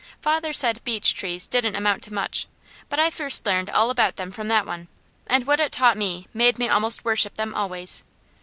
Father said beech trees didn't amount to much; but I first learned all about them from that one, and what it taught me made me almost worship them always.